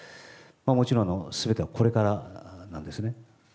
もちろん、すべてはこれからなんですね。